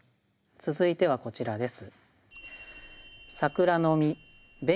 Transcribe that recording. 続いてはこちらです。